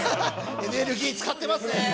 エネルギー使ってますね。